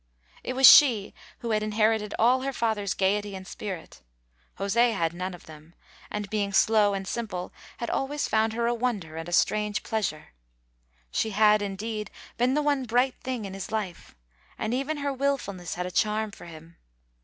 It was she who had inherited all her father's gayety and spirit. José had none of them, and, being slow and simple, had always found her a wonder and a strange pleasure. She had, indeed, been the one bright thing in his life, and even her wilfulness had a charm for him.